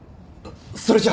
それじゃ。